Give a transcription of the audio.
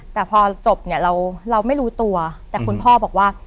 แต่พอจบเนี่ยเราไม่รู้ตัวแต่คุณพ่อบอกว่า